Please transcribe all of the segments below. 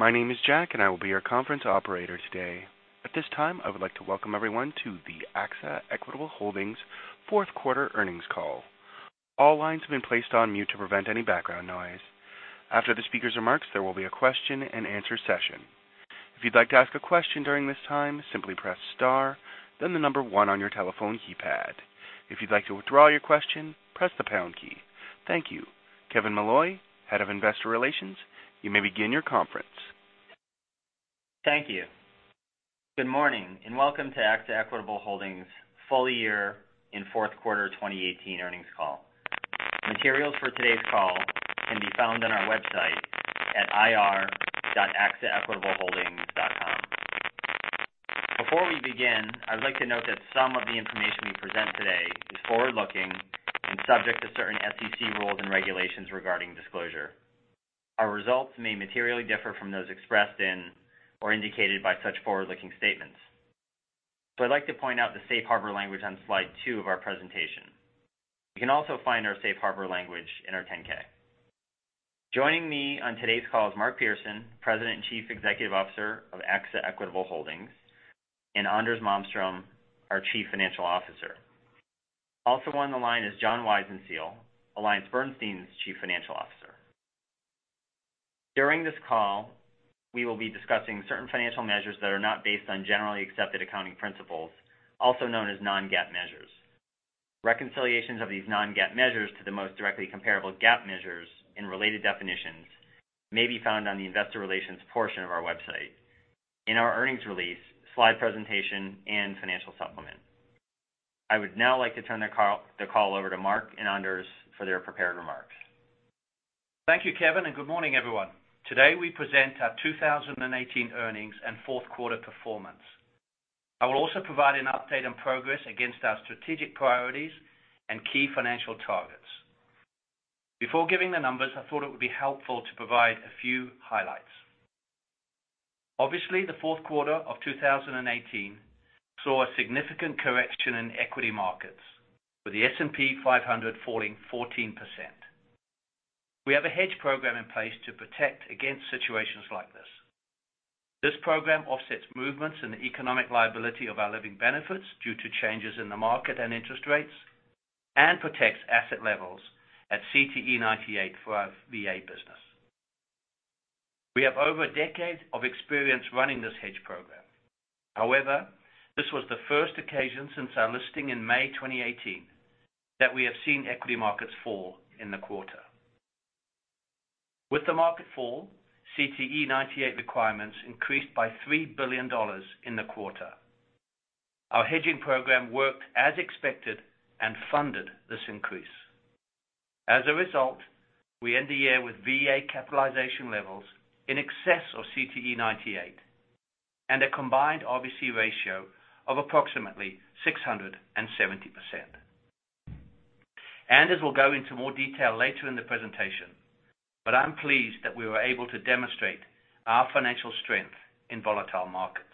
Good day. My name is Jack, and I will be your conference operator today. At this time, I would like to welcome everyone to the Equitable Holdings, Inc. fourth quarter earnings call. All lines have been placed on mute to prevent any background noise. After the speaker's remarks, there will be a question and answer session. If you'd like to ask a question during this time, simply press star, then the number 1 on your telephone keypad. If you'd like to withdraw your question, press the pound key. Thank you. Kevin Molloy, Head of Investor Relations, you may begin your conference. Thank you. Good morning, and welcome to AXA Equitable Holdings full year and fourth quarter 2018 earnings call. Materials for today's call can be found on our website at ir.axaequitableholdings.com. Before we begin, I would like to note that some of the information we present today is forward-looking and subject to certain SEC rules and regulations regarding disclosure. Our results may materially differ from those expressed in or indicated by such forward-looking statements. I'd like to point out the safe harbor language on slide two of our presentation. You can also find our safe harbor language in our 10-K. Joining me on today's call is Mark Pearson, President and Chief Executive Officer of AXA Equitable Holdings, and Anders Malmström, our Chief Financial Officer. Also on the line is John Weisenseel, AllianceBernstein's Chief Financial Officer. During this call, we will be discussing certain financial measures that are not based on generally accepted accounting principles, also known as non-GAAP measures. Reconciliations of these non-GAAP measures to the most directly comparable GAAP measures and related definitions may be found on the investor relations portion of our website in our earnings release, slide presentation and financial supplement. I would now like to turn the call over to Mark and Anders for their prepared remarks. Thank you, Kevin, and good morning, everyone. Today, we present our 2018 earnings and fourth quarter performance. I will also provide an update on progress against our strategic priorities and key financial targets. Before giving the numbers, I thought it would be helpful to provide a few highlights. Obviously, the fourth quarter of 2018 saw a significant correction in equity markets, with the S&P 500 falling 14%. We have a hedge program in place to protect against situations like this. This program offsets movements in the economic liability of our living benefits due to changes in the market and interest rates and protects asset levels at CTE 98 for our VA business. We have over a decade of experience running this hedge program. However, this was the first occasion since our listing in May 2018 that we have seen equity markets fall in the quarter. With the market fall, CTE 98 requirements increased by $3 billion in the quarter. Our hedging program worked as expected and funded this increase. As a result, we end the year with VA capitalization levels in excess of CTE 98 and a combined RBC ratio of approximately 670%. Anders will go into more detail later in the presentation, but I'm pleased that we were able to demonstrate our financial strength in volatile markets.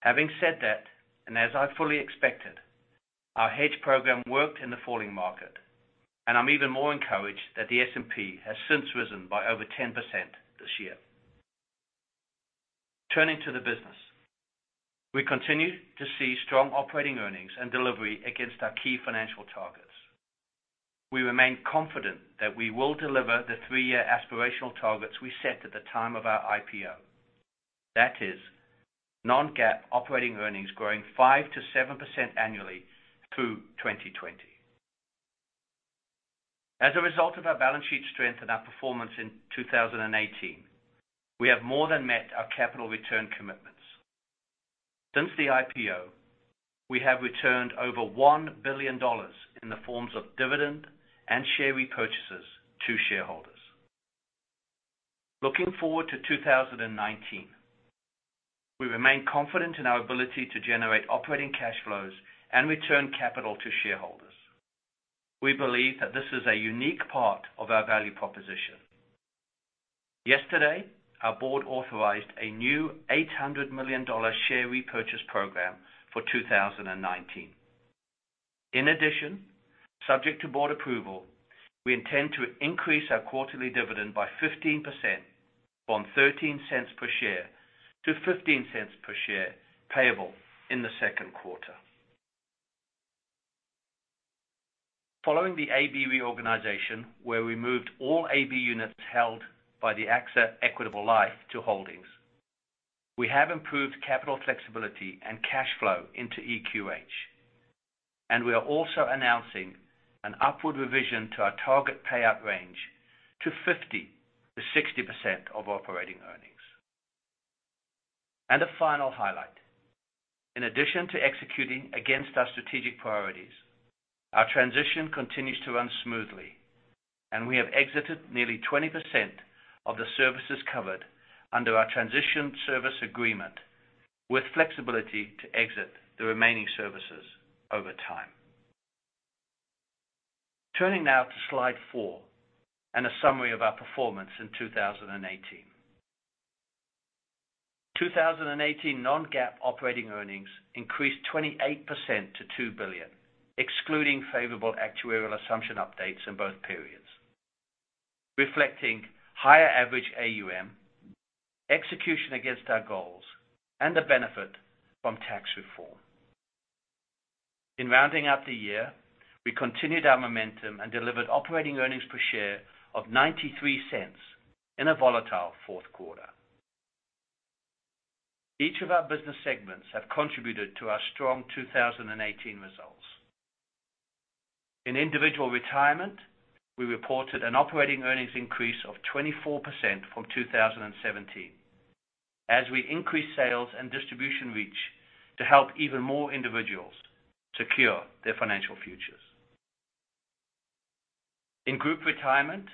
Having said that, as I fully expected, our hedge program worked in the falling market, and I'm even more encouraged that the S&P has since risen by over 10% this year. Turning to the business. We continue to see strong operating earnings and delivery against our key financial targets. We remain confident that we will deliver the three-year aspirational targets we set at the time of our IPO. That is, non-GAAP operating earnings growing five to 7% annually through 2020. As a result of our balance sheet strength and our performance in 2018, we have more than met our capital return commitments. Since the IPO, we have returned over $1 billion in the forms of dividend and share repurchases to shareholders. Looking forward to 2019, we remain confident in our ability to generate operating cash flows and return capital to shareholders. We believe that this is a unique part of our value proposition. Yesterday, our board authorized a new $800 million share repurchase program for 2019. In addition, subject to board approval, we intend to increase our quarterly dividend by 15%, from $0.13 per share to $0.15 per share, payable in the second quarter. Following the AB reorganization where we moved all AB units held by the AXA Equitable Life to Holdings, we have improved capital flexibility and cash flow into EQH, and we are also announcing an upward revision to our target payout range to 50 to 60% of operating earnings. A final highlight. In addition to executing against our strategic priorities, our transition continues to run smoothly and we have exited nearly 20% of the services covered under our transition service agreement with flexibility to exit the remaining services over time. Turning now to slide four and a summary of our performance in 2018. 2018 non-GAAP operating earnings increased 28% to $2 billion, excluding favorable actuarial assumption updates in both periods, reflecting higher average AUM, execution against our goals, and the benefit from tax reform. In rounding up the year, we continued our momentum and delivered operating earnings per share of $0.93 in a volatile fourth quarter. Each of our business segments have contributed to our strong 2018 results. In individual retirement, we reported an operating earnings increase of 24% from 2017, as we increased sales and distribution reach to help even more individuals secure their financial futures. In group retirement,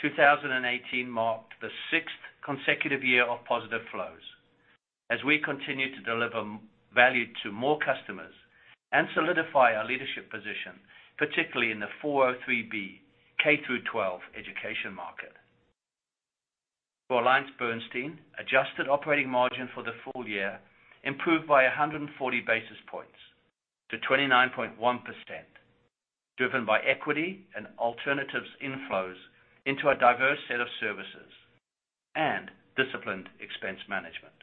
2018 marked the sixth consecutive year of positive flows as we continue to deliver value to more customers and solidify our leadership position, particularly in the 403(b) K through 12 education market. For AllianceBernstein, adjusted operating margin for the full year improved by 140 basis points to 29.1%, driven by equity and alternatives inflows into our diverse set of services and disciplined expense management.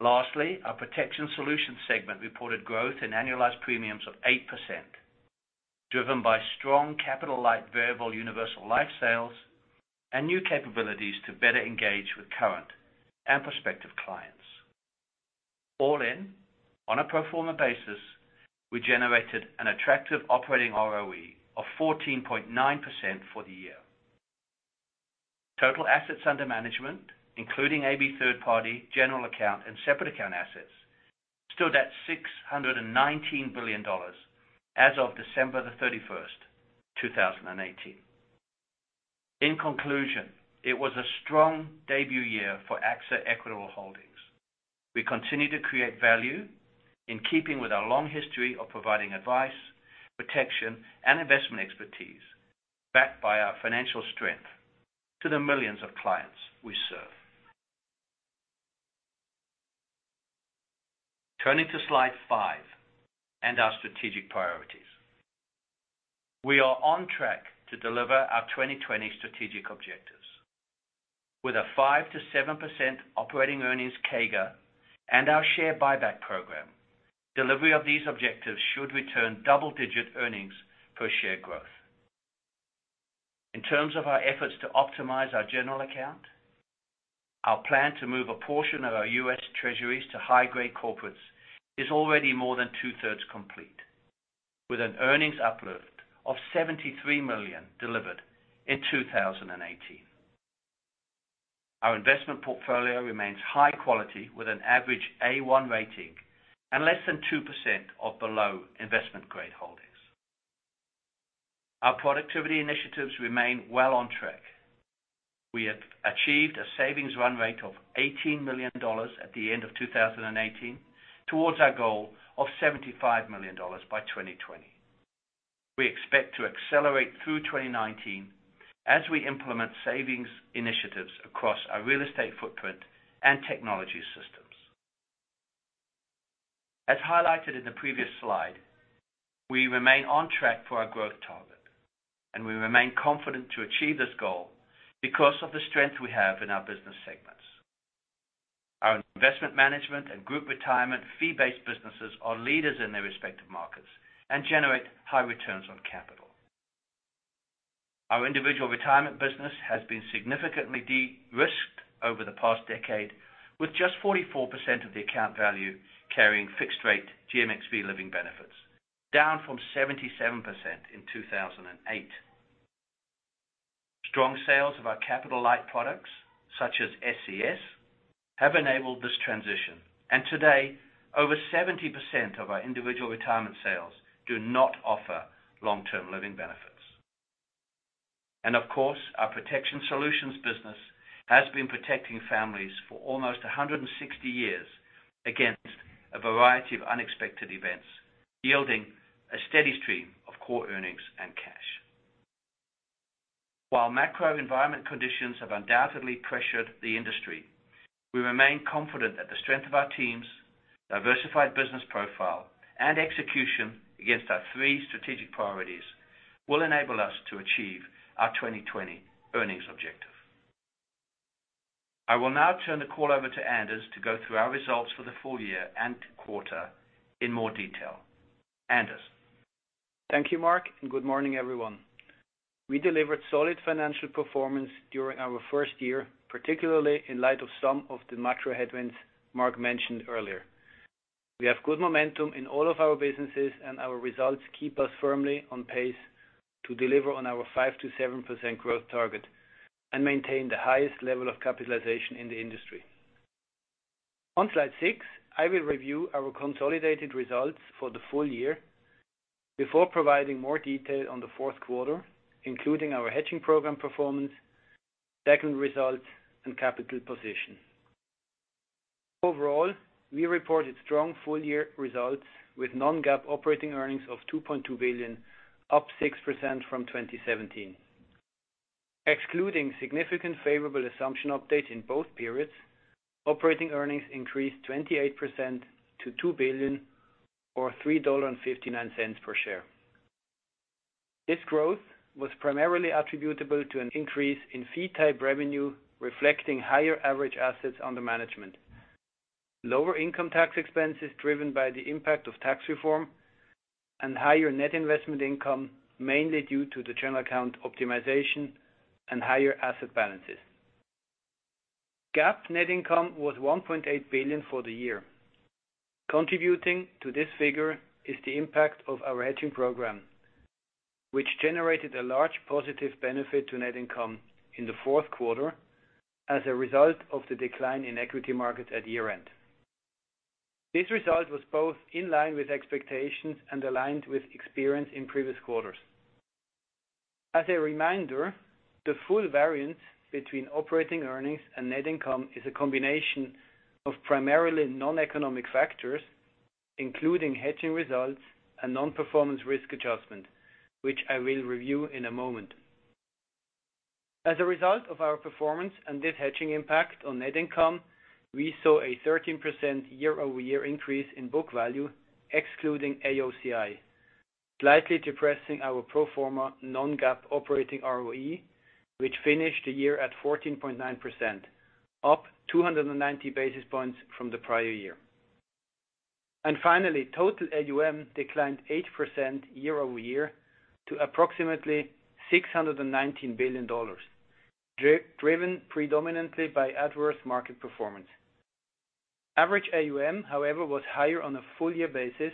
Lastly, our protection solution segment reported growth in annualized premiums of 8%, driven by strong capital-light variable universal life sales and new capabilities to better engage with current and prospective clients. All in, on a pro forma basis, we generated an attractive operating ROE of 14.9% for the year. Total assets under management, including AB third party, general account, and separate account assets, stood at $619 billion as of December 31st, 2018. In conclusion, it was a strong debut year for AXA Equitable Holdings. We continue to create value in keeping with our long history of providing advice, protection, and investment expertise backed by our financial strength to the millions of clients we serve. Turning to Slide five and our strategic priorities. We are on track to deliver our 2020 strategic objectives. With a 5%-7% operating earnings CAGR and our share buyback program, delivery of these objectives should return double-digit earnings per share growth. In terms of our efforts to optimize our general account, our plan to move a portion of our U.S. Treasuries to high-grade corporates is already more than two-thirds complete, with an earnings uplift of $73 million delivered in 2018. Our investment portfolio remains high quality, with an average A.1 rating and less than 2% of below investment grade holdings. Our productivity initiatives remain well on track. We have achieved a savings run rate of $18 million at the end of 2018, towards our goal of $75 million by 2020. We expect to accelerate through 2019 as we implement savings initiatives across our real estate footprint and technology systems. As highlighted in the previous slide, we remain on track for our growth target. We remain confident to achieve this goal because of the strength we have in our business segments. Our investment management and group retirement fee-based businesses are leaders in their respective markets and generate high returns on capital. Our individual retirement business has been significantly de-risked over the past decade, with just 44% of the account value carrying fixed rate GMXB living benefits, down from 77% in 2008. Strong sales of our capital-light products, such as SCS, have enabled this transition. Today over 70% of our individual retirement sales do not offer long-term living benefits. Of course, our protection solutions business has been protecting families for almost 160 years against a variety of unexpected events, yielding a steady stream of core earnings and cash. While macro environment conditions have undoubtedly pressured the industry, we remain confident that the strength of our teams, diversified business profile, and execution against our three strategic priorities will enable us to achieve our 2020 earnings objective. I will now turn the call over to Anders to go through our results for the full year and quarter in more detail. Anders? Thank you, Mark, and good morning, everyone. We delivered solid financial performance during our first year, particularly in light of some of the macro headwinds Mark mentioned earlier. We have good momentum in all of our businesses, and our results keep us firmly on pace to deliver on our 5%-7% growth target and maintain the highest level of capitalization in the industry. On Slide six, I will review our consolidated results for the full year before providing more detail on the fourth quarter, including our hedging program performance, segment results, and capital position. Overall, we reported strong full-year results with non-GAAP operating earnings of $2.2 billion, up 6% from 2017. Excluding significant favorable assumption updates in both periods, operating earnings increased 28% to $2 billion or $3.59 per share. This growth was primarily attributable to an increase in fee type revenue reflecting higher average assets under management, lower income tax expenses driven by the impact of tax reform, and higher net investment income, mainly due to the general account optimization and higher asset balances. GAAP net income was $1.8 billion for the year. Contributing to this figure is the impact of our hedging program, which generated a large positive benefit to net income in the fourth quarter as a result of the decline in equity markets at year-end. This result was both in line with expectations and aligned with experience in previous quarters. As a reminder, the full variance between operating earnings and net income is a combination of primarily non-economic factors, including hedging results and non-performance risk adjustment, which I will review in a moment. As a result of our performance and this hedging impact on net income, we saw a 13% year-over-year increase in book value excluding AOCI, slightly depressing our pro forma non-GAAP operating ROE, which finished the year at 14.9%, up 290 basis points from the prior year. Finally, total AUM declined 8% year-over-year to approximately $619 billion, driven predominantly by adverse market performance. Average AUM, however, was higher on a full year basis,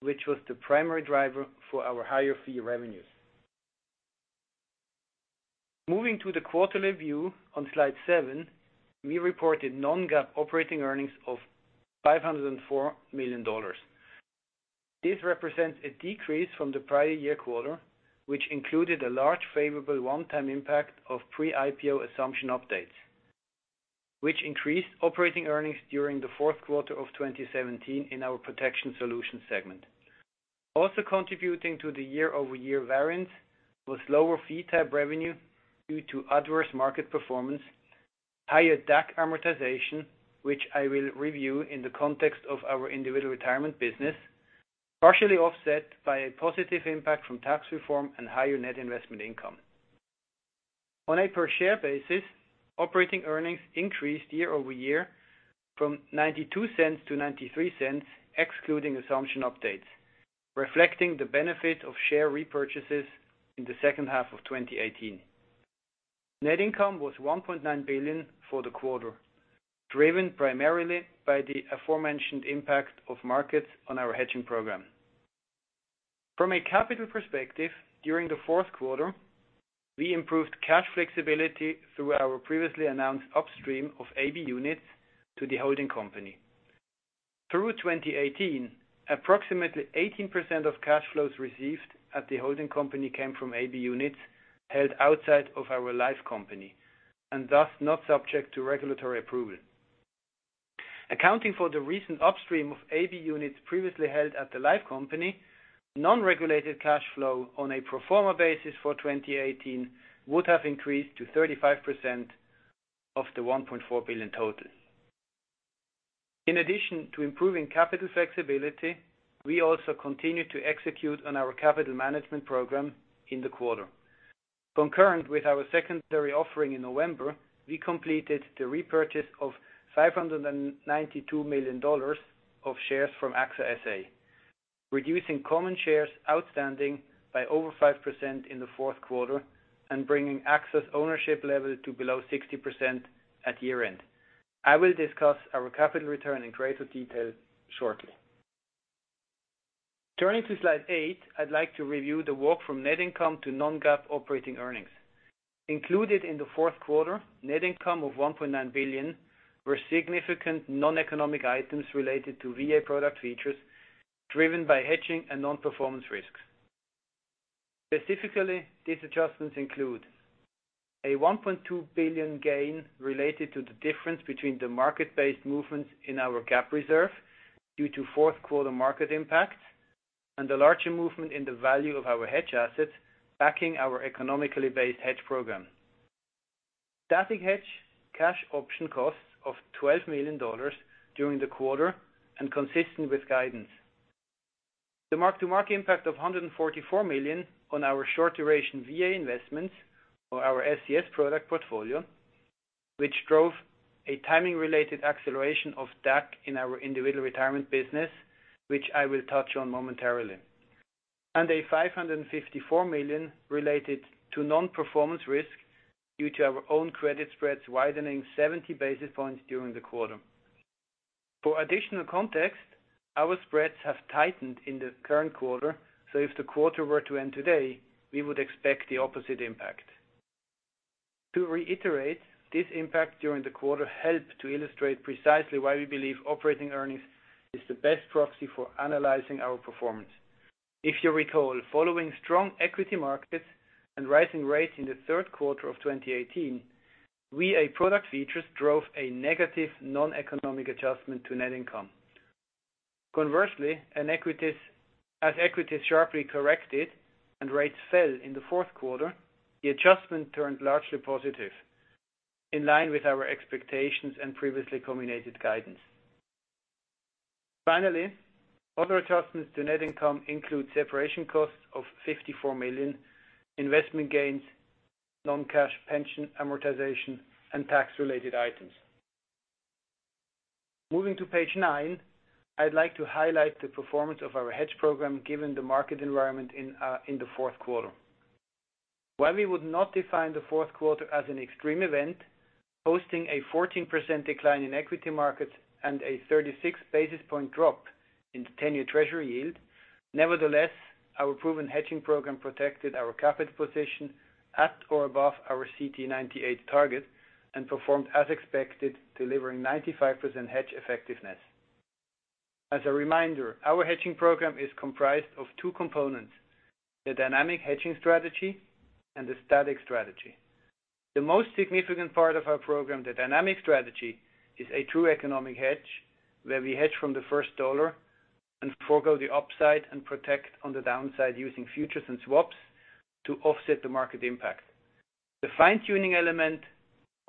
which was the primary driver for our higher fee revenues. Moving to the quarterly view on Slide seven, we reported non-GAAP operating earnings of $504 million. This represents a decrease from the prior year quarter, which included a large favorable one-time impact of pre-IPO assumption updates, which increased operating earnings during the fourth quarter of 2017 in our protection solutions segment. Also contributing to the year-over-year variance was lower fee type revenue due to adverse market performance, higher DAC amortization, which I will review in the context of our individual retirement business, partially offset by a positive impact from tax reform and higher net investment income. On a per share basis, operating earnings increased year-over-year from $0.92 to $0.93, excluding assumption updates, reflecting the benefit of share repurchases in the second half of 2018. Net income was $1.9 billion for the quarter, driven primarily by the aforementioned impact of markets on our hedging program. From a capital perspective, during the fourth quarter, we improved cash flexibility through our previously announced upstream of AB units to the holding company. Through 2018, approximately 18% of cash flows received at the holding company came from AB units held outside of our life company, and thus not subject to regulatory approval. Accounting for the recent upstream of AB units previously held at the life company, non-regulated cash flow on a pro forma basis for 2018 would have increased to 35% of the $1.4 billion total. In addition to improving capital flexibility, we also continued to execute on our capital management program in the quarter. Concurrent with our secondary offering in November, we completed the repurchase of $592 million of shares from AXA SA, reducing common shares outstanding by over 5% in the fourth quarter and bringing AXA's ownership level to below 60% at year-end. I will discuss our capital return in greater detail shortly. Turning to slide eight, I'd like to review the work from net income to non-GAAP operating earnings. Included in the fourth quarter net income of $1.9 billion were significant non-economic items related to VA product features, driven by hedging and non-performance risks. Specifically, these adjustments include a $1.2 billion gain related to the difference between the market-based movements in our GAAP reserve due to fourth quarter market impacts, and the larger movement in the value of our hedge assets backing our economically based hedge program. Static hedge cash option costs of $12 million during the quarter and consistent with guidance. The mark-to-market impact of $144 million on our short duration VA investments or our SCS product portfolio, which drove a timing-related acceleration of DAC in our individual retirement business, which I will touch on momentarily. A $554 million related to non-performance risk due to our own credit spreads widening 70 basis points during the quarter. For additional context, our spreads have tightened in the current quarter, if the quarter were to end today, we would expect the opposite impact. To reiterate, this impact during the quarter helped to illustrate precisely why we believe operating earnings is the best proxy for analyzing our performance. If you recall, following strong equity markets and rising rates in the third quarter of 2018, VA product features drove a negative non-economic adjustment to net income. Conversely, as equities sharply corrected and rates fell in the fourth quarter, the adjustment turned largely positive, in line with our expectations and previously communicated guidance. Finally, other adjustments to net income include separation costs of $54 million, investment gains, non-cash pension amortization, and tax-related items. Moving to page nine, I'd like to highlight the performance of our hedge program, given the market environment in the fourth quarter. While we would not define the fourth quarter as an extreme event, hosting a 14% decline in equity markets and a 36 basis point drop in the 10-year treasury yield, nevertheless, our proven hedging program protected our capital position at or above our CTE 98 target and performed as expected, delivering 95% hedge effectiveness. As a reminder, our hedging program is comprised of two components, the dynamic hedging strategy and the static strategy. The most significant part of our program, the dynamic strategy, is a true economic hedge where we hedge from the first dollar and forgo the upside and protect on the downside using futures and swaps to offset the market impact. The fine-tuning element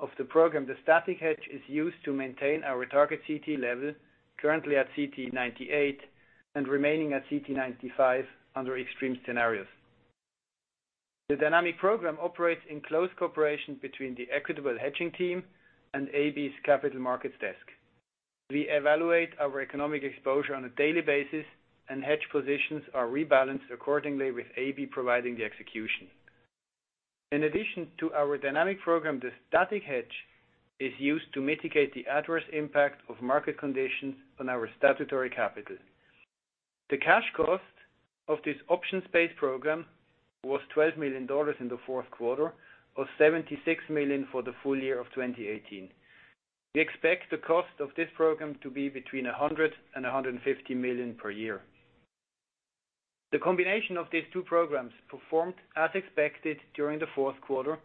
of the program, the static hedge, is used to maintain our target CTE level, currently at CTE 98 and remaining at CTE 95 under extreme scenarios. The dynamic program operates in close cooperation between the Equitable hedging team and AB's capital markets desk. We evaluate our economic exposure on a daily basis, and hedge positions are rebalanced accordingly with AB providing the execution. In addition to our dynamic program, the static hedge is used to mitigate the adverse impact of market conditions on our statutory capital. The cash cost of this options-based program was $12 million in the fourth quarter, or $76 million for the full year of 2018. We expect the cost of this program to be between $100 million and $150 million per year. The combination of these two programs performed as expected during the fourth quarter,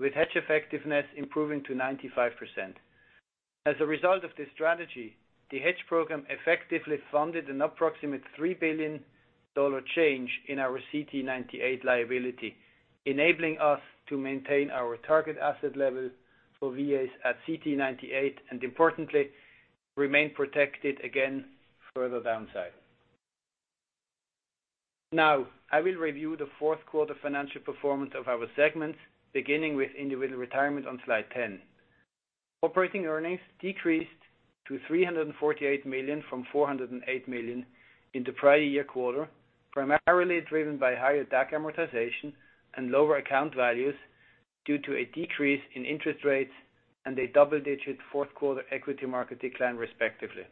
with hedge effectiveness improving to 95%. As a result of this strategy, the hedge program effectively funded an approximate $3 billion change in our CTE98 liability, enabling us to maintain our target asset level for VAs at CTE 98, and importantly, remain protected again further downside. I will review the fourth quarter financial performance of our segments, beginning with individual retirement on slide 10. Operating earnings decreased to $348 million from $408 million in the prior year quarter, primarily driven by higher DAC amortization and lower account values due to a decrease in interest rates and a double-digit fourth quarter equity market decline, respectively.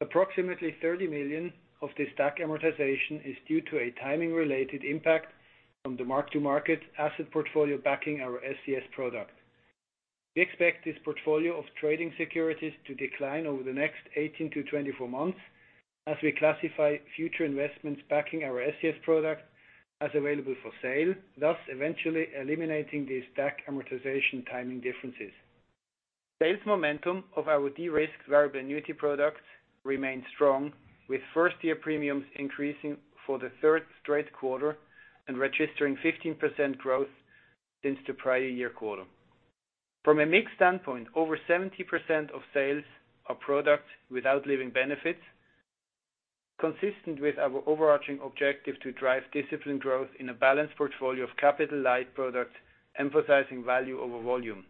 Approximately $30 million of this DAC amortization is due to a timing-related impact from the mark-to-market asset portfolio backing our SCS product. We expect this portfolio of trading securities to decline over the next 18 to 24 months as we classify future investments backing our SCS product as available for sale, thus eventually eliminating these DAC amortization timing differences. Sales momentum of our de-risked variable annuity products remains strong, with first-year premiums increasing for the third straight quarter and registering 15% growth since the prior year quarter. From a mix standpoint, over 70% of sales are product without living benefits, consistent with our overarching objective to drive disciplined growth in a balanced portfolio of capital-light products, emphasizing value over volume.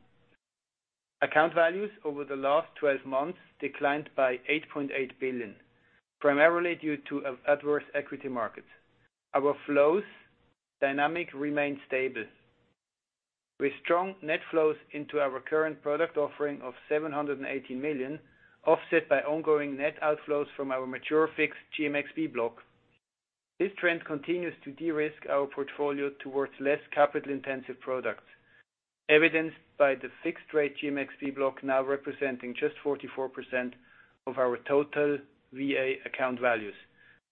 Account values over the last 12 months declined by $8.8 billion, primarily due to adverse equity markets. Our flows dynamic remained stable, with strong net flows into our current product offering of $780 million, offset by ongoing net outflows from our mature fixed GMXB block. This trend continues to de-risk our portfolio towards less capital-intensive products, evidenced by the fixed-rate GMXB block now representing just 44% of our total VA account values,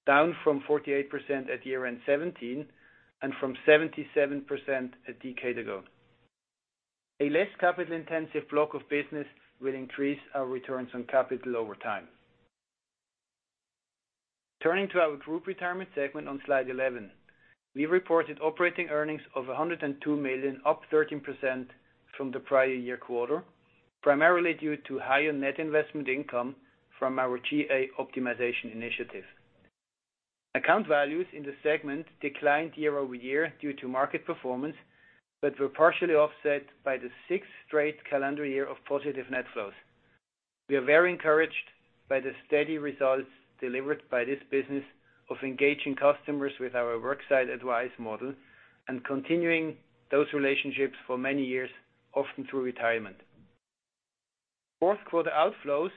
down from 48% at year-end 2017 and from 77% a decade ago. A less capital-intensive block of business will increase our returns on capital over time. Turning to our group retirement segment on slide 11. We reported operating earnings of $102 million, up 13% from the prior year quarter, primarily due to higher net investment income from our GA optimization initiative. Account values in the segment declined year-over-year due to market performance, but were partially offset by the sixth straight calendar year of positive net flows. We are very encouraged by the steady results delivered by this business of engaging customers with our worksite advice model and continuing those relationships for many years, often through retirement. Fourth quarter outflows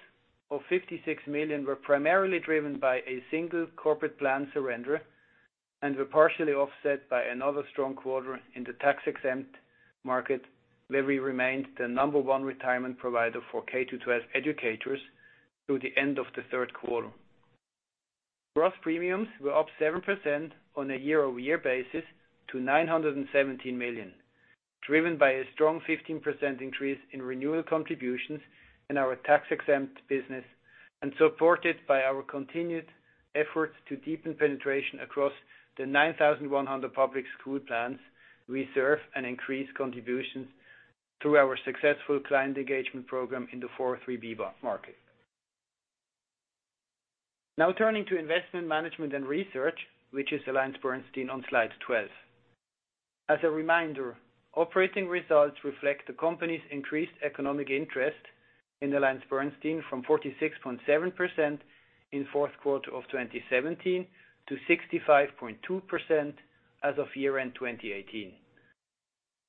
of $56 million were primarily driven by a single corporate plan surrender and were partially offset by another strong quarter in the tax-exempt market where we remained the number one retirement provider for K-12 educators. Through the end of the third quarter. Gross premiums were up 7% on a year-over-year basis to $917 million, driven by a strong 15% increase in renewal contributions in our tax-exempt business, and supported by our continued efforts to deepen penetration across the 9,100 public school plans we serve, and increased contributions through our successful client engagement program in the 403(b) market. Turning to investment management and research, which is AllianceBernstein on slide 12. As a reminder, operating results reflect the company's increased economic interest in AllianceBernstein from 46.7% in fourth quarter of 2017 to 65.2% as of year-end 2018.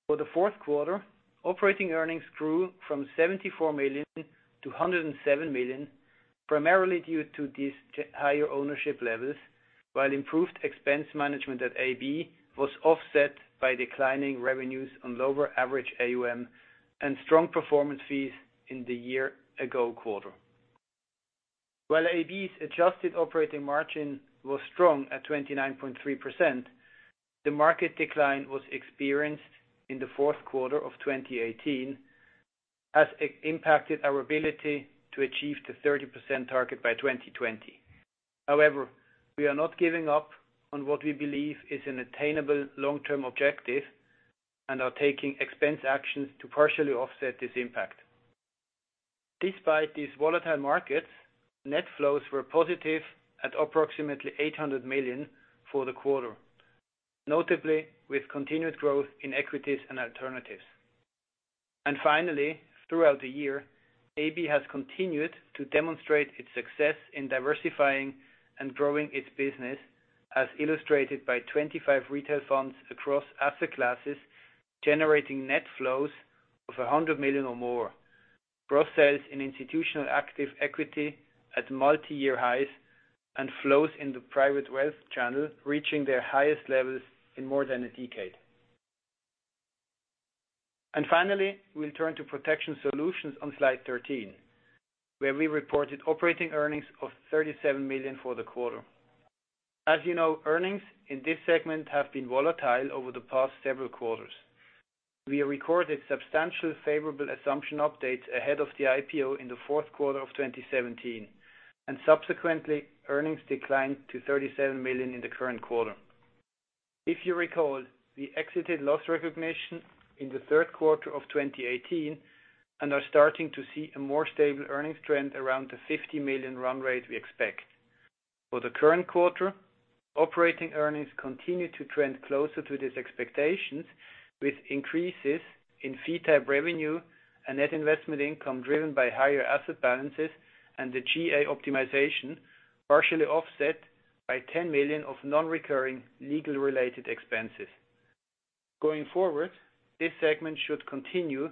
For the fourth quarter, operating earnings grew from $74 million to $107 million, primarily due to these higher ownership levels, while improved expense management at AB was offset by declining revenues on lower average AUM and strong performance fees in the year ago quarter. While AB's adjusted operating margin was strong at 29.3%, the market decline was experienced in the fourth quarter of 2018, as it impacted our ability to achieve the 30% target by 2020. We are not giving up on what we believe is an attainable long-term objective and are taking expense actions to partially offset this impact. Despite these volatile markets, net flows were positive at approximately $800 million for the quarter. Notably, with continued growth in equities and alternatives. Finally, throughout the year, AB has continued to demonstrate its success in diversifying and growing its business, as illustrated by 25 retail funds across asset classes, generating net flows of $100 million or more. Gross sales in institutional active equity at multiyear highs, and flows in the private wealth channel reaching their highest levels in more than a decade. Finally, we'll turn to protection solutions on slide 13, where we reported operating earnings of $37 million for the quarter. As you know, earnings in this segment have been volatile over the past several quarters. We recorded substantial favorable assumption updates ahead of the IPO in the fourth quarter of 2017, and subsequently, earnings declined to $37 million in the current quarter. If you recall, we exited loss recognition in the third quarter of 2018 and are starting to see a more stable earnings trend around the $50 million run rate we expect. For the current quarter, operating earnings continued to trend closer to these expectations, with increases in fee type revenue and net investment income driven by higher asset balances and the GA optimization partially offset by $10 million of non-recurring legal related expenses. Going forward, this segment should continue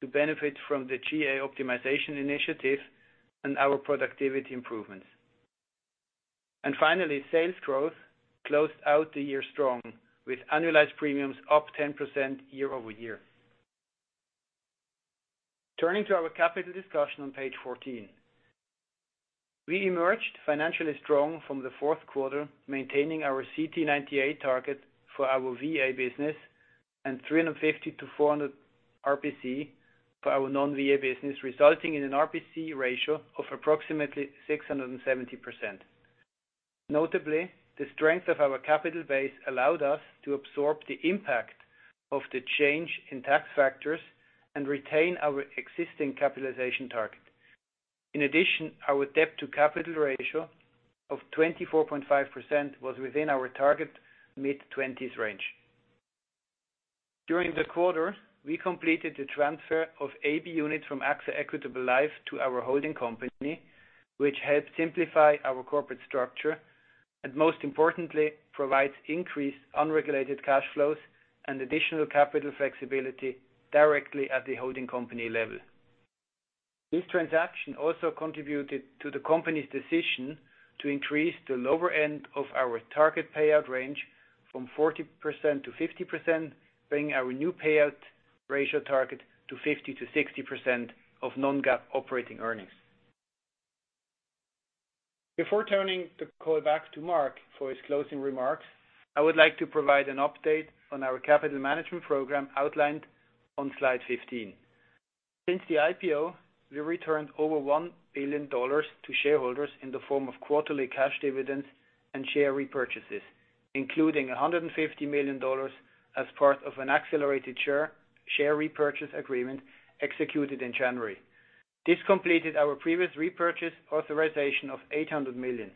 to benefit from the GA optimization initiative and our productivity improvements. Finally, sales growth closed out the year strong with annualized premiums up 10% year-over-year. Turning to our capital discussion on page 14. We emerged financially strong from the fourth quarter, maintaining our CTE 98 target for our VA business and 350-400 RBC for our non-VA business, resulting in an RBC ratio of approximately 670%. Notably, the strength of our capital base allowed us to absorb the impact of the change in tax factors and retain our existing capitalization target. In addition, our debt-to-capital ratio of 24.5% was within our target mid-20s range. During the quarter, we completed the transfer of AB units from AXA Equitable Life to our holding company, which helped simplify our corporate structure and most importantly, provides increased unregulated cash flows and additional capital flexibility directly at the holding company level. This transaction also contributed to the company's decision to increase the lower end of our target payout range from 40%-50%, bringing our new payout ratio target to 50%-60% of non-GAAP operating earnings. Before turning the call back to Mark for his closing remarks, I would like to provide an update on our capital management program outlined on slide 15. Since the IPO, we returned over $1 billion to shareholders in the form of quarterly cash dividends and share repurchases, including $150 million as part of an accelerated share repurchase agreement executed in January. This completed our previous repurchase authorization of $800 million.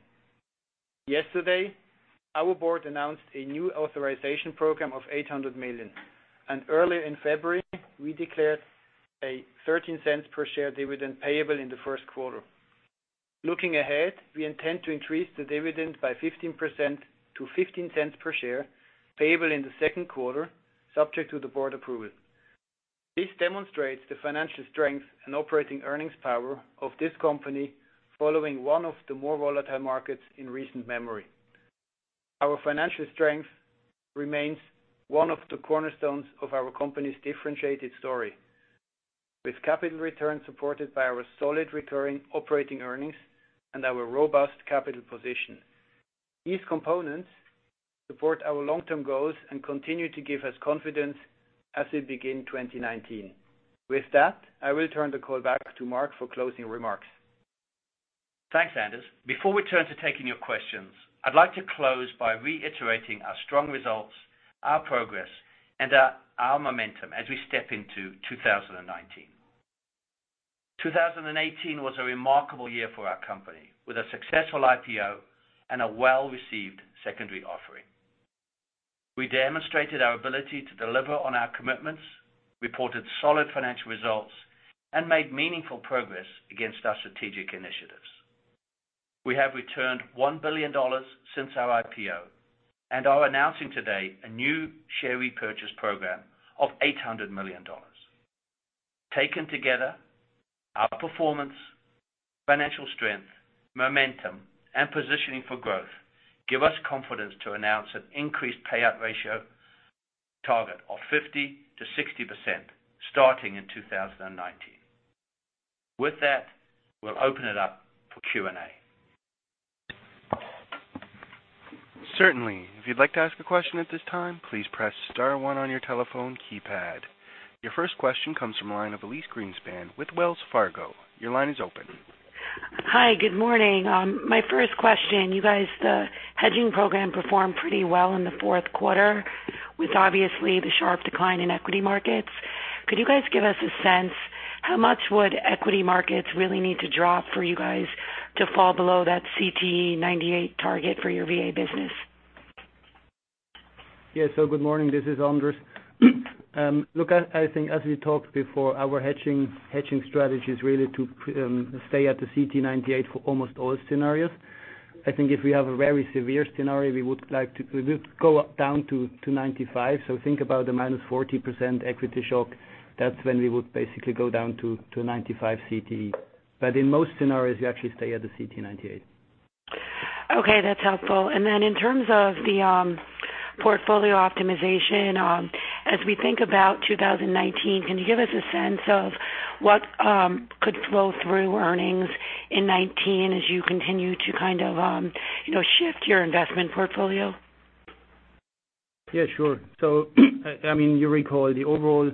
Yesterday, our board announced a new authorization program of $800 million, and earlier in February, we declared a $0.13 per share dividend payable in the first quarter. Looking ahead, we intend to increase the dividend by 15% to $0.15 per share, payable in the second quarter, subject to the board approval. This demonstrates the financial strength and operating earnings power of this company following one of the more volatile markets in recent memory. Our financial strength remains one of the cornerstones of our company's differentiated story. With capital returns supported by our solid recurring operating earnings and our robust capital position. These components support our long-term goals and continue to give us confidence as we begin 2019. With that, I will turn the call back to Mark for closing remarks. Thanks, Anders. Before we turn to taking your questions, I'd like to close by reiterating our strong results, our progress, and our momentum as we step into 2019. 2018 was a remarkable year for our company, with a successful IPO and a well-received secondary offering. We demonstrated our ability to deliver on our commitments, reported solid financial results, and made meaningful progress against our strategic initiatives. We have returned $1 billion since our IPO and are announcing today a new share repurchase program of $800 million. Taken together, our performance, financial strength, momentum, and positioning for growth give us confidence to announce an increased payout ratio target of 50%-60% starting in 2019. With that, we'll open it up for Q&A. Certainly. If you'd like to ask a question at this time, please press star one on your telephone keypad. Your first question comes from the line of Elyse Greenspan with Wells Fargo. Your line is open. Hi, good morning. My first question. You guys, the hedging program performed pretty well in the fourth quarter with obviously the sharp decline in equity markets. Could you guys give us a sense, how much would equity markets really need to drop for you guys to fall below that CTE 98 target for your VA business? Good morning. This is Anders. Look, I think as we talked before, our hedging strategy is really to stay at the CTE 98 for almost all scenarios. I think if we have a very severe scenario, we would go down to 95. Think about a minus 40% equity shock. That's when we would basically go down to 95 CTE. In most scenarios, we actually stay at the CTE 98. Okay, that's helpful. In terms of the portfolio optimization, as we think about 2019, can you give us a sense of what could flow through earnings in 2019 as you continue to shift your investment portfolio? Yeah, sure. You recall the overall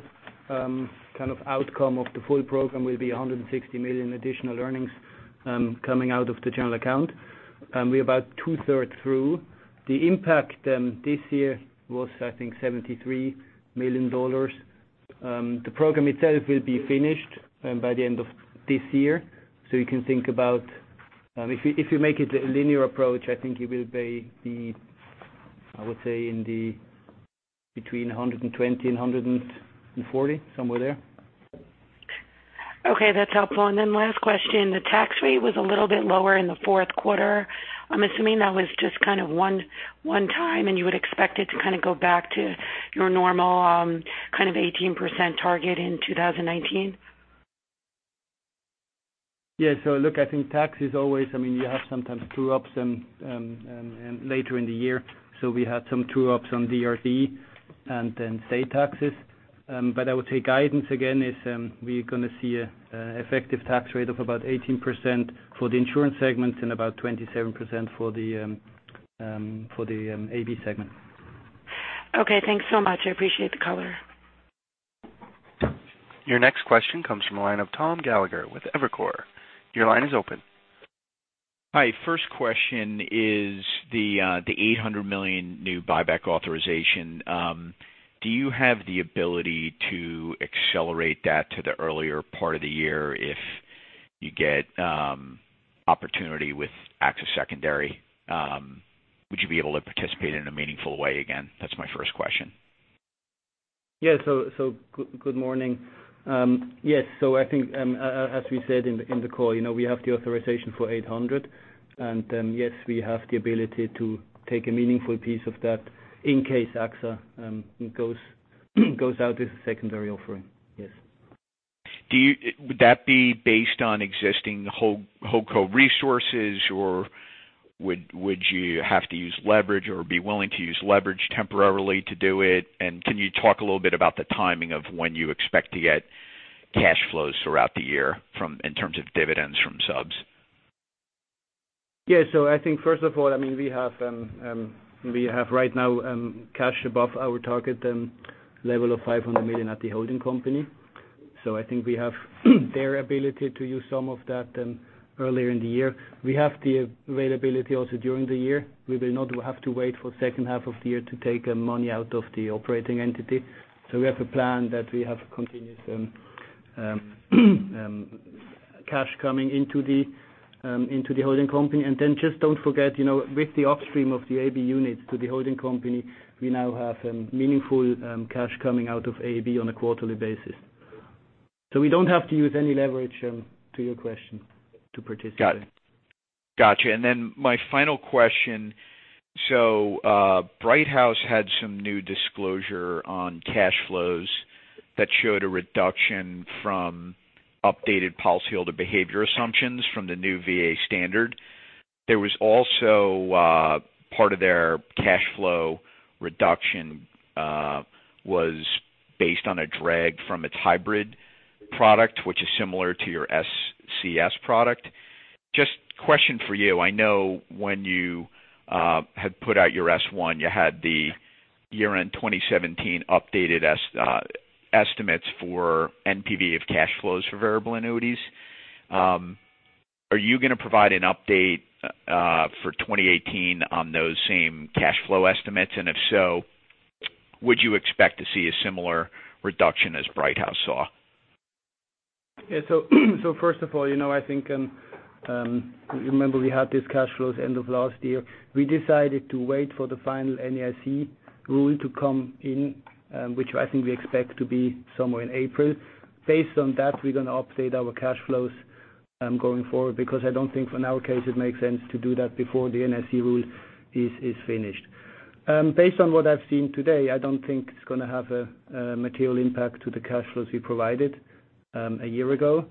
outcome of the full program will be $160 million additional earnings coming out of the general account. We're about two-thirds through. The impact this year was, I think, $73 million. The program itself will be finished by the end of this year. You can think about If you make it a linear approach, I think it will be, I would say, between $120 million and $140 million, somewhere there. Okay, that's helpful. Last question, the tax rate was a little bit lower in the fourth quarter. I'm assuming that was just one time, and you would expect it to go back to your normal 18% target in 2019? Yeah. Look, I think tax is always, you have sometimes true-ups later in the year. We had some true-ups on DRD and state taxes. I would say guidance again is, we're going to see an effective tax rate of about 18% for the insurance segment and about 27% for the AB segment. Okay, thanks so much. I appreciate the color. Your next question comes from the line of Thomas Gallagher with Evercore. Your line is open. Hi, first question is the $800 million new buyback authorization. Do you have the ability to accelerate that to the earlier part of the year if you get opportunity with AXA secondary? Would you be able to participate in a meaningful way again? That's my first question. Yeah. Good morning. Yes. I think, as we said in the call, we have the authorization for $800, and then yes, we have the ability to take a meaningful piece of that in case AXA goes out as a secondary offering. Yes. Would that be based on existing whole co resources, or would you have to use leverage or be willing to use leverage temporarily to do it? Can you talk a little bit about the timing of when you expect to get cash flows throughout the year in terms of dividends from subs? I think first of all, we have right now cash above our target level of $500 million at the holding company. I think we have their ability to use some of that earlier in the year. We have the availability also during the year. We will not have to wait for the second half of the year to take money out of the operating entity. We have a plan that we have continuous cash coming into the holding company. Just don't forget, with the upstream of the AB units to the holding company, we now have meaningful cash coming out of AB on a quarterly basis. We don't have to use any leverage, to your question, to participate. Got you. My final question. Brighthouse had some new disclosure on cash flows That showed a reduction from updated policyholder behavior assumptions from the new VA standard. There was also part of their cash flow reduction was based on a drag from its hybrid product, which is similar to your SCS product. Just question for you. I know when you had put out your S-1, you had the year-end 2017 updated estimates for NPV of cash flows for variable annuities. Are you going to provide an update for 2018 on those same cash flow estimates? If so, would you expect to see a similar reduction as Brighthouse saw? First of all, I think, remember we had these cash flows end of last year. We decided to wait for the final NAIC rule to come in, which I think we expect to be somewhere in April. Based on that, we're going to update our cash flows going forward, because I don't think in our case it makes sense to do that before the NAIC rule is finished. Based on what I've seen today, I don't think it's going to have a material impact to the cash flows we provided a year ago.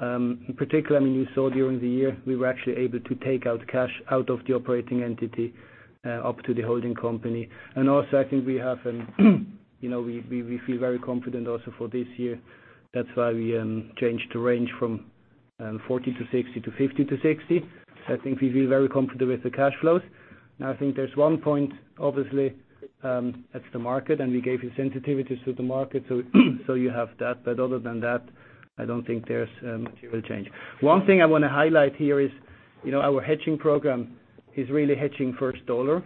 In particular, you saw during the year, we were actually able to take out cash out of the operating entity up to the holding company. Also, I think we feel very confident also for this year. That's why we changed the range from 40 to 60 to 50 to 60. I think we feel very confident with the cash flows. I think there's one point, obviously, that's the market, and we gave you sensitivities to the market, you have that. Other than that, I don't think there's a material change. One thing I want to highlight here is our hedging program is really hedging for a dollar.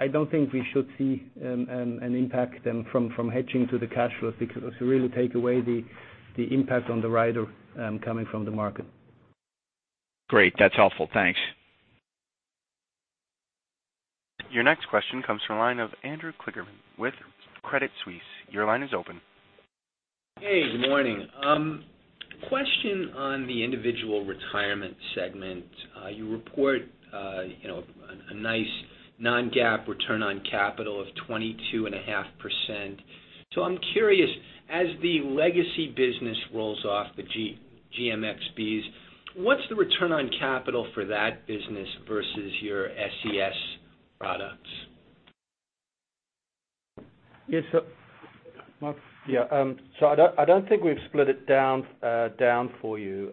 I don't think we should see an impact then from hedging to the cash flow, because it will really take away the impact on the rider coming from the market. Great. That's helpful. Thanks. Your next question comes from the line of Andrew Kligerman with Credit Suisse. Your line is open. Hey, good morning. Question on the individual retirement segment. You report a nice non-GAAP return on capital of 22.5%. I'm curious, as the legacy business rolls off the GMXBs, what's the return on capital for that business versus your SCS products? Yes, sir. Mark? Yeah. I don't think we've split it down for you.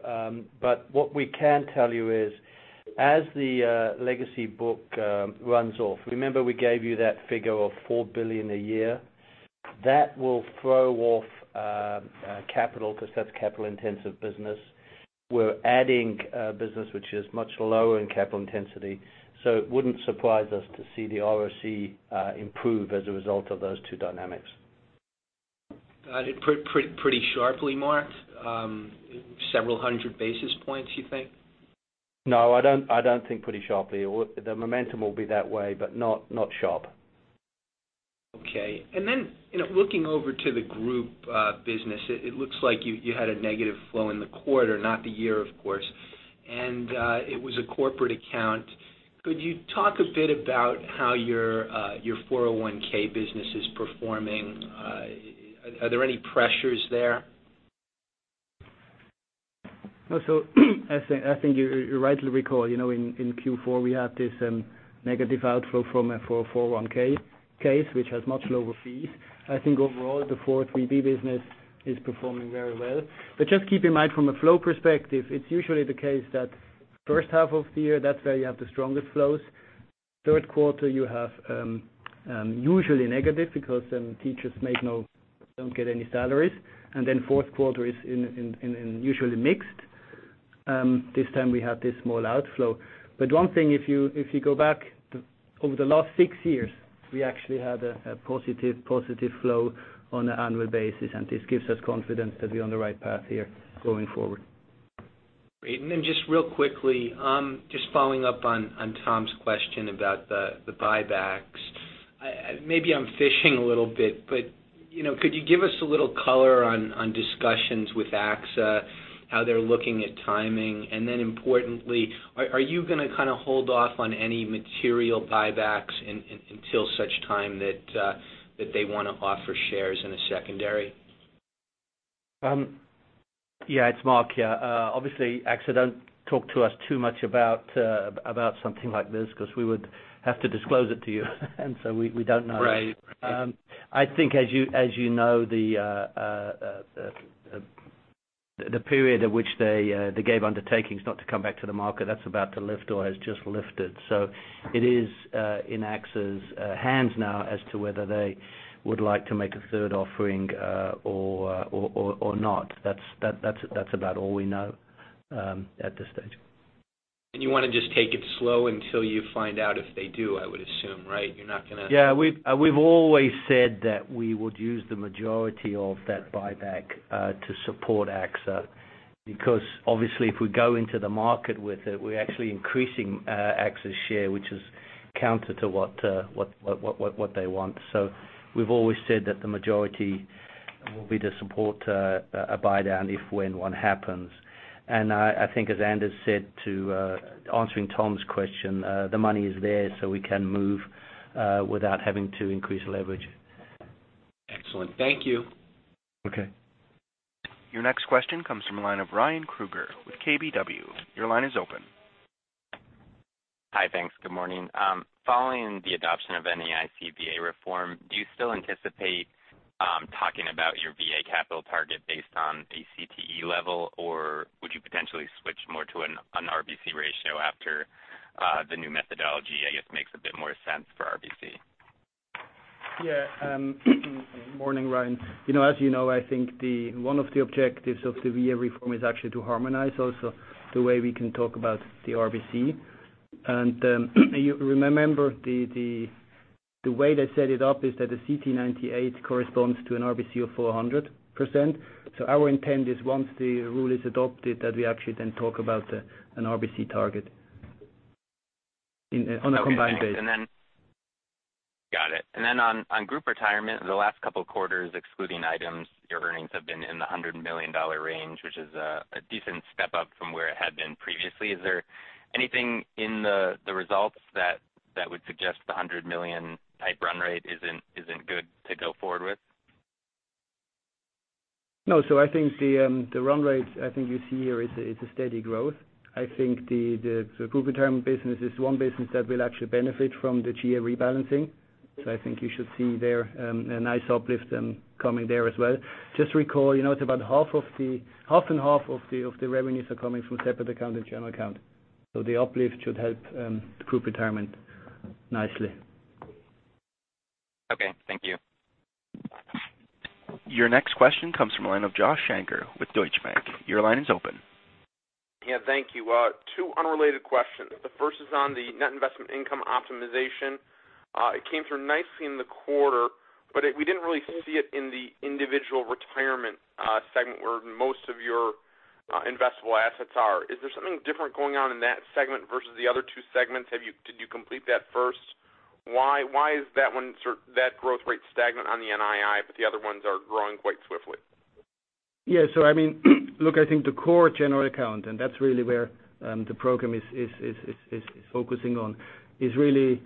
What we can tell you is as the legacy book runs off, remember we gave you that figure of $4 billion a year. That will throw off capital because that's capital intensive business. We're adding business which is much lower in capital intensity. It wouldn't surprise us to see the ROC improve as a result of those two dynamics. Pretty sharply, Mark? Several hundred basis points, you think? No, I don't think pretty sharply. The momentum will be that way, but not sharp. Okay. Looking over to the group business, it looks like you had a negative flow in the quarter, not the year, of course. It was a corporate account. Could you talk a bit about how your 401(k) business is performing? Are there any pressures there? I think you rightly recall, in Q4, we had this negative outflow from a 401(k) case, which has much lower fees. I think overall, the 403(b) business is performing very well. Just keep in mind from a flow perspective, it's usually the case that first half of the year, that's where you have the strongest flows. Third quarter, you have usually negative because teachers don't get any salaries. Fourth quarter is usually mixed. This time we have this small outflow. One thing, if you go back over the last six years, we actually had a positive flow on an annual basis. This gives us confidence that we're on the right path here going forward. Great. Just real quickly, just following up on Tom's question about the buybacks. Maybe I'm fishing a little bit, but could you give us a little color on discussions with AXA, how they're looking at timing? Importantly, are you going to kind of hold off on any material buybacks until such time that they want to offer shares in a secondary? Yeah, it's Mark. Obviously, AXA don't talk to us too much about something like this because we would have to disclose it to you. We don't know. Right. I think as you know, the period at which they gave undertakings not to come back to the market, that's about to lift or has just lifted. It is in AXA's hands now as to whether they would like to make a third offering or not. That's about all we know at this stage. You want to just take it slow until you find out if they do, I would assume, right? Yeah. We've always said that we would use the majority of that buyback to support AXA, because obviously if we go into the market with it, we're actually increasing AXA's share, which is counter to what they want. We've always said that the majority will be to support a buy down if when one happens. I think as Anders said to answering Tom's question, the money is there so we can move without having to increase leverage. Excellent. Thank you. Okay. Your next question comes from the line of Ryan Krueger with KBW. Your line is open. Hi. Thanks. Good morning. Following the adoption of any NAIC reform, do you still anticipate talking about your VA capital target based on a CTE level, or would you potentially switch more to an RBC ratio after the new methodology, I guess, makes a bit more sense for RBC? Yeah. Morning, Ryan. As you know, I think, one of the objectives of the VA reform is actually to harmonize also the way we can talk about the RBC. Remember the way they set it up is that the CT 98 corresponds to an RBC of 400%. Our intent is once the rule is adopted, that we actually then talk about an RBC target on a combined basis. Okay, thanks. Got it. On Group Retirement, the last couple of quarters, excluding items, your earnings have been in the $100 million range, which is a decent step up from where it had been previously. Is there anything in the results that would suggest the $100 million type run rate isn't good to go forward with? No. I think the run rate, I think you see here, it's a steady growth. I think the Group Retirement business is one business that will actually benefit from the GA rebalancing. I think you should see a nice uplift coming there as well. Just recall, it's about half and half of the revenues are coming from separate account and general account. The uplift should help Group Retirement nicely. Okay, thank you. Your next question comes from a line of Joshua Shanker with Deutsche Bank. Your line is open. Yeah. Thank you. Two unrelated questions. The first is on the net investment income optimization. It came through nicely in the quarter, but we didn't really see it in the individual retirement segment where most of your investable assets are. Is there something different going on in that segment versus the other two segments? Did you complete that first? Why is that growth rate stagnant on the NII, but the other ones are growing quite swiftly? Yeah. Look, I think the core general account, and that's really where the program is focusing on, is really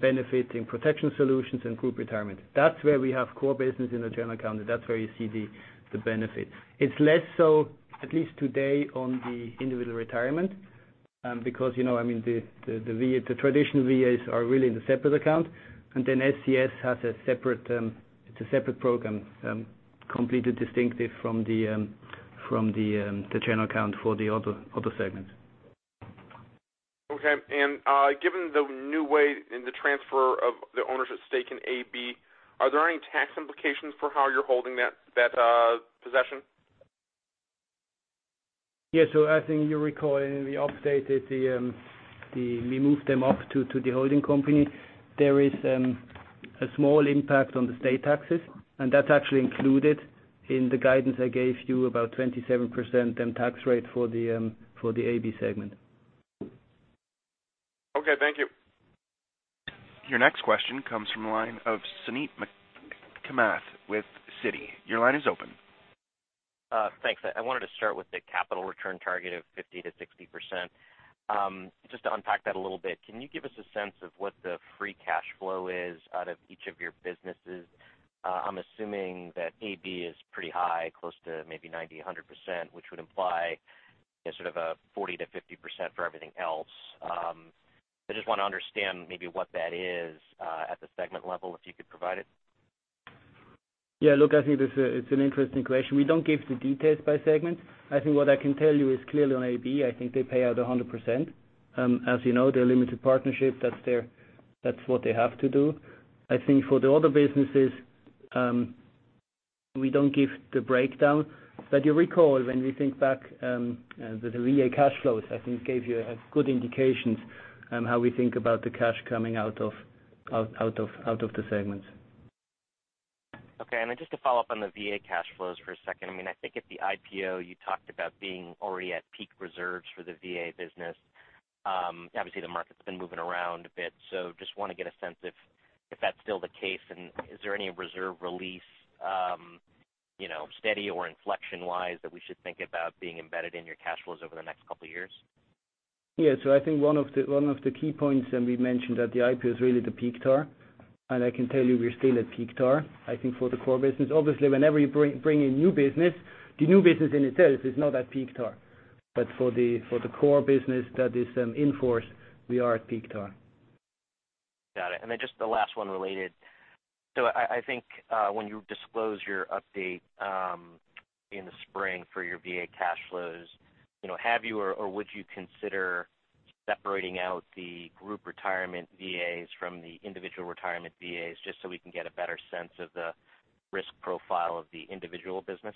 benefiting Protection Solutions and Group Retirement. That's where we have core business in the general account, and that's where you see the benefits. It's less so, at least today, on the individual retirement, because the traditional VAs are really in the separate account, and then SCS has a separate program, completely distinctive from the general account for the other segments. Okay. Given the new way in the transfer of the ownership stake in AB, are there any tax implications for how you're holding that possession? Yeah. I think you recall in the update that we moved them up to the holding company. There is a small impact on the state taxes, and that's actually included in the guidance I gave you about 27% in tax rate for the AB segment. Okay, thank you. Your next question comes from the line of Suneet Kamath with Citi. Your line is open. Thanks. I wanted to start with the capital return target of 50%-60%. Just to unpack that a little bit, can you give us a sense of what the free cash flow is out of each of your businesses? I'm assuming that AB is pretty high, close to maybe 90%-100%, which would imply sort of a 40%-50% for everything else. I just want to understand maybe what that is at the segment level, if you could provide it. Yeah, look, I think it's an interesting question. We don't give the details by segment. I think what I can tell you is clearly on AB, I think they pay out 100%. As you know, they're a limited partnership. That's what they have to do. I think for the other businesses, we don't give the breakdown. You recall, when we think back, the VA cash flows, I think, gave you a good indication on how we think about the cash coming out of the segments. Okay. Just to follow up on the VA cash flows for a second. I think at the IPO, you talked about being already at peak reserves for the VA business. Obviously, the market's been moving around a bit, just want to get a sense if that's still the case. Is there any reserve release, steady or inflection-wise, that we should think about being embedded in your cash flows over the next couple of years? Yeah. I think one of the key points, and we mentioned at the IPO, is really the peak TAR. I can tell you we're still at peak TAR, I think, for the core business. Obviously, whenever you bring a new business, the new business in itself is not at peak TAR. For the core business that is in force, we are at peak TAR. Got it. Just the last one related. I think when you disclose your update in the spring for your VA cash flows, have you or would you consider separating out the Group Retirement VAs from the individual retirement VAs, just so we can get a better sense of the risk profile of the individual business?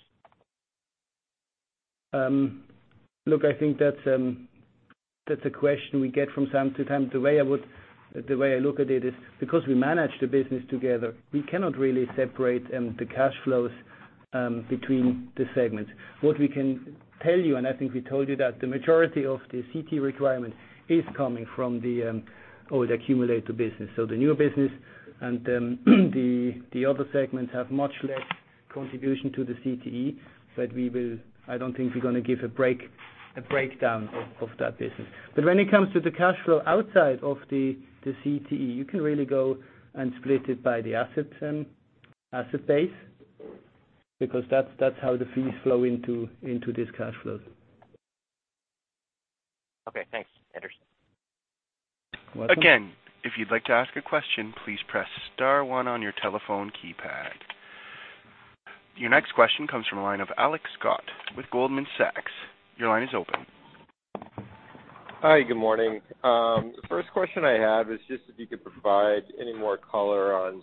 I think that's a question we get from time to time. The way I look at it is, because we manage the business together, we cannot really separate the cash flows between the segments. What we can tell you, I think we told you that the majority of the CT requirement is coming from the old accumulator business. The newer business and then the other segments have much less Contribution to the CTE, I don't think we're going to give a breakdown of that business. When it comes to the cash flow outside of the CTE, you can really go and split it by the asset base, because that's how the fees flow into this cash flow. Thanks, Anders. Welcome. If you'd like to ask a question, please press star one on your telephone keypad. Your next question comes from a line of Alex Scott with Goldman Sachs. Your line is open. Hi, good morning. The first question I have is just if you could provide any more color on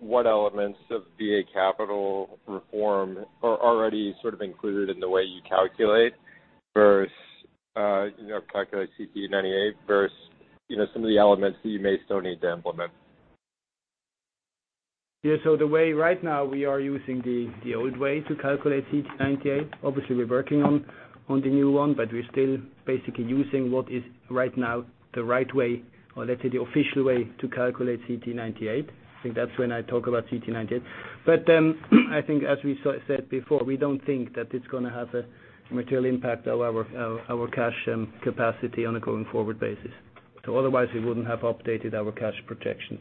what elements of VA Capital Reform are already included in the way you calculate CTE98 versus some of the elements that you may still need to implement. Yeah. The way right now we are using the old way to calculate CTE98. Obviously, we're working on the new one, but we're still basically using what is right now the right way, or let's say the official way, to calculate CTE98. I think that's when I talk about CTE98. I think as we said before, we don't think that it's going to have a material impact on our cash capacity on a going forward basis. Otherwise we wouldn't have updated our cash projections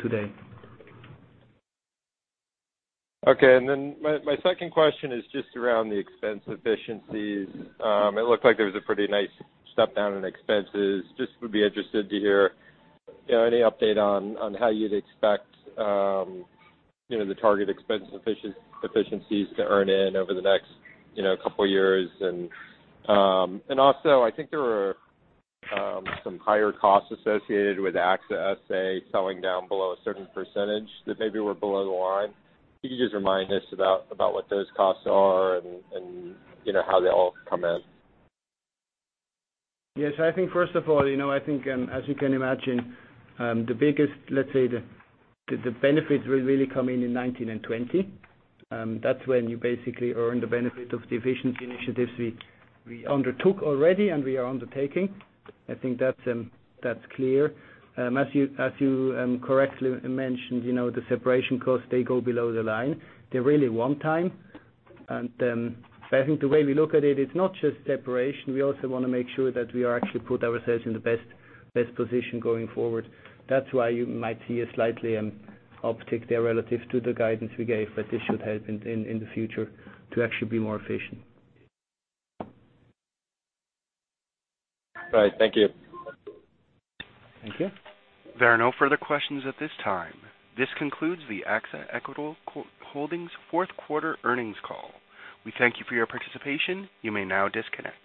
today. Okay. My second question is just around the expense efficiencies. It looked like there was a pretty nice step down in expenses. Just would be interested to hear any update on how you'd expect the target expense efficiencies to earn in over the next couple of years. Also, I think there were some higher costs associated with AXA SA selling down below a certain percentage that maybe were below the line. Could you just remind us about what those costs are and how they all come in? Yes. I think first of all, as you can imagine, the biggest, let's say, the benefits will really come in in 2019 and 2020. That's when you basically earn the benefit of the efficiency initiatives we undertook already and we are undertaking. I think that's clear. As you correctly mentioned, the separation costs, they go below the line. They're really one time. I think the way we look at it's not just separation. We also want to make sure that we are actually put ourselves in the best position going forward. That's why you might see a slightly uptick there relative to the guidance we gave, but this should help in the future to actually be more efficient. All right. Thank you. Thank you. There are no further questions at this time. This concludes the Equitable Holdings, Inc. fourth quarter earnings call. We thank you for your participation. You may now disconnect.